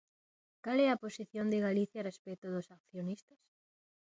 ¿Cal é a posición de Galicia respecto dos accionistas?